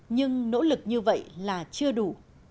nhưng nỗ lực như vậy là chưa đủ